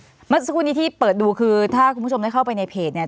เมื่อสักครู่นี้ที่เปิดดูคือถ้าคุณผู้ชมได้เข้าไปในเพจเนี่ย